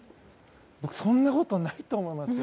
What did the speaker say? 僕、そんなことないと思いますよ。